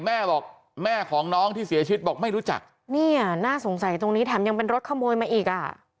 แม่บอกแม่ของน้องที่เสียชีวิตบอกไม่รู้จักเนี่ยน่าสงสัยตรงนี้แถมยังเป็นรถขโมยมาอีกอ่ะ